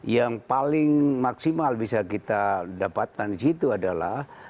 yang paling maksimal bisa kita dapatkan di situ adalah